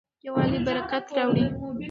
یووالی برکت راوړي.